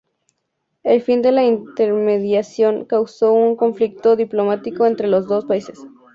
El fin de la intermediación causó un conflicto diplomático entre los dos países.